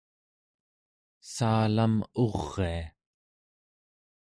saalam uria